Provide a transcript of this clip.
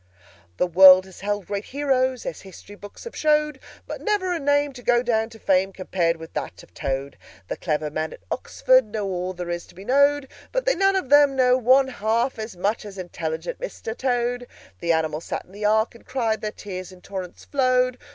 "The world has held great Heroes, As history books have showed; But never a name to go down to fame Compared with that of Toad! "The clever men at Oxford Know all that there is to be knowed. But they none of them know one half as much As intelligent Mr. Toad! "The animals sat in the Ark and cried, Their tears in torrents flowed.